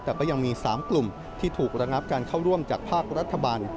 แต่ก็ยังมี๓กลุ่มที่ถูกระงับการเข้าร่วมจากภาครัฐบาล